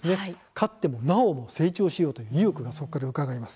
勝ってもなおも成長しようという意欲がうかがえます。